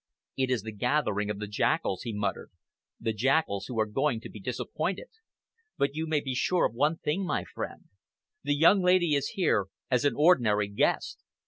"It is the gathering of the jackals," he muttered "the jackals who are going to be disappointed. But you may be sure of one thing, my friend. The young lady is here as an ordinary guest!